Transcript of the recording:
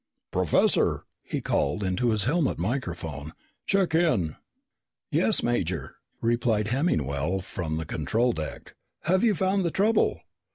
"Professor," he called into his helmet microphone, "check in." "Yes, Major," replied Hemmingwell from the control deck. "Have you found the trouble?"